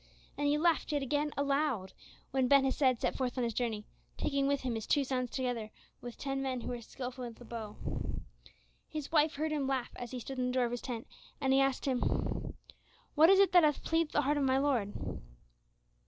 And he laughed yet again aloud when Ben Hesed set forth on his journey, taking with him his two sons together with ten men who were skillful with the bow. His wife heard him laugh as he stood in the door of the tent, and she asked him, "What is it that hath pleased the heart of my lord?"